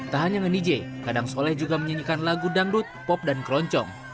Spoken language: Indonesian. tak hanya nge nijay kadang soleh juga menyanyikan lagu dangdut pop dan keroncong